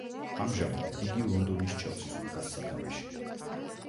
ამჟამად იგი ლონდონის ჩელსის უდგას სათავეში.